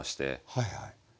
はいはい。